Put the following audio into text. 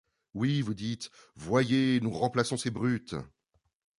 Oui, vous dites : Voyez, nous remplaçons ces brutes ;